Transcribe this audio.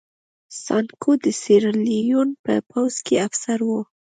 سانکو د سیریلیون په پوځ کې افسر و.